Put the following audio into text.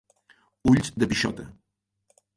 Ulls de pixota.